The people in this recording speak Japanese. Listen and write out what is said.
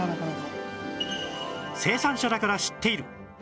生産者だから知っている！